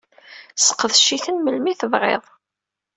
Seqdec-iten melmi tebɣiḍ.